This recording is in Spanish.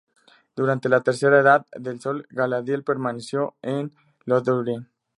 Durante la Tercera Edad del Sol, Galadriel permaneció en Lothlórien.